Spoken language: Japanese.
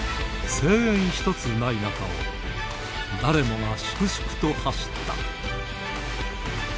声援一つない中を誰もが粛々と走った。